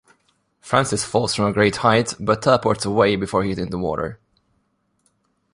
Francis falls from a great height but teleports away before hitting the water.